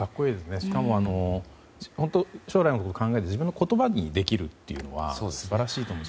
しかも本当に将来のことを考えて自分の言葉にできるというのは素晴らしいと思います。